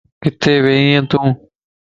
ڪٿي وي تون